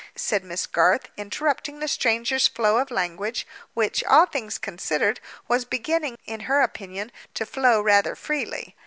said Miss Garth, interrupting the stranger's flow of language, which, all things considered, was beginning, in her opinion, to flow rather freely.